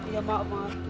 iya pak maaf